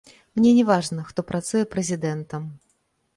Мне не важна, хто працуе прэзідэнтам.